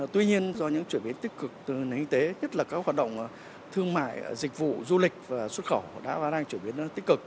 tuy nhiên do những chuyển biến tích cực từ nền y tế nhất là các hoạt động thương mại dịch vụ du lịch và xuất khẩu đã và đang chuyển biến tích cực